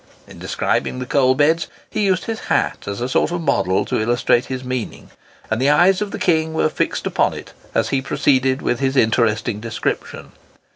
In describing the coal beds he used his hat as a sort of model to illustrate his meaning; and the eyes of the king were fixed upon it as he proceeded with his interesting description.